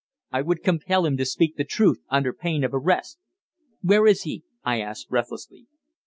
I would compel him to speak the truth, under pain of arrest. "Where is he?" I asked breathlessly.